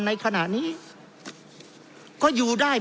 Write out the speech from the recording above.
เพราะเรามี๕ชั่วโมงครับท่านนึง